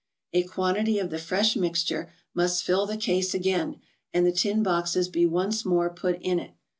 A quantity of the fresh mixture must fill the case again, and the tin boxes be once more put in it.